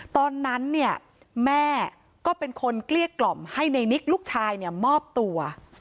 ตอนนั้นเนี่ยแม่ก็เป็นคนเกลี้ยกล่อมให้ในนิกลูกชายเนี่ยมอบตัว